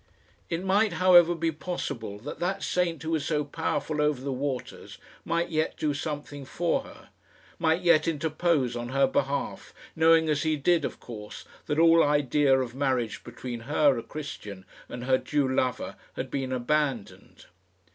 It might, however, be possible that that saint who was so powerful over the waters might yet do something for her might yet interpose on her behalf, knowing, as he did, of course, that all idea of marriage between her, a Christian, and her Jew lover had been abandoned.